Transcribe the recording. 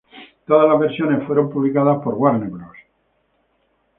Todas las versiones fueron publicadas por Warner Bros.